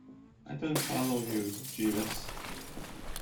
I don't follow you, Jeeves.